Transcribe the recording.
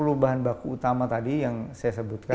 nah sepuluh bahan baku utama tadi yang saya sebutkan